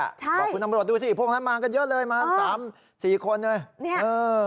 บอกคุณตำรวจดูสิพวกนั้นมากันเยอะเลยมา๓๔คนเลย